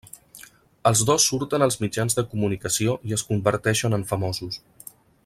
Els dos surten als mitjans de comunicació i es converteixen en famosos.